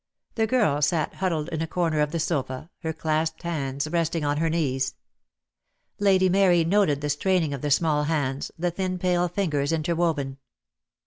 The girl sat huddled in a corner of the sofa, her clasped hands resting on her knees. Lady Mary noted the strain ing of the small hands, the thin pale fingers inter woven.